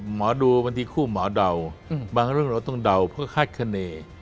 หมอดูบางทีคู่หมอเดาบางเรื่องเราต้องเดาเพื่อคาดคณี